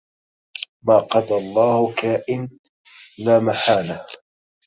ما قضى الله كائن لا محاله